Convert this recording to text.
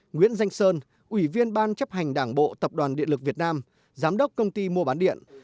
nguyễn danh sơn ủy viên ban chấp hành đảng bộ tập đoàn điện lực việt nam giám đốc công ty mua bán điện